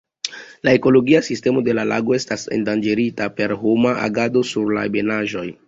La ekologia sistemo de la lago estas endanĝerita per homa agado sur la ebenaĵoj.